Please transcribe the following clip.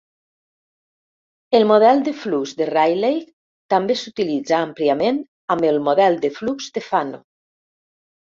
El model de flux de Rayleigh també s'utilitza àmpliament amb el model de flux de Fanno.